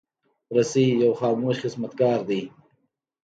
رسۍ یو خاموش خدمتګار دی.